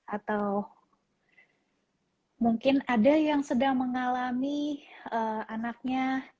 atau mungkin ada yang sedang mengalami anaknya